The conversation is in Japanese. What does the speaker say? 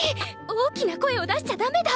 大きな声を出しちゃだめだ！！